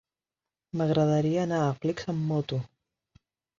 M'agradaria anar a Flix amb moto.